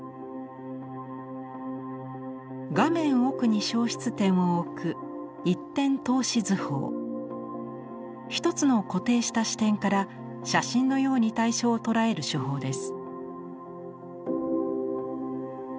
画面奥に消失点を置く一つの固定した視点から写真のように対象を捉える手法です。